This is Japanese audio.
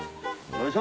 よいしょ！